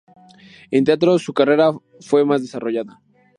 En teatro su carrera fue más desarrollada.